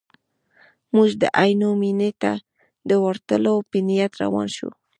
موږ د عینو مینې ته د ورتلو په نیت روان شوو.